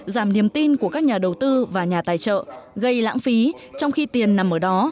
giảm niềm tin của các nhà đầu tư và nhà tài trợ gây lãng phí trong khi tiền nằm ở đó